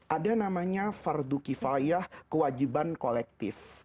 ada namanya fardu kifayah kewajiban kolektif